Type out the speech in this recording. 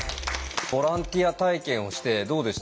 ボランティア体験をしてどうでした？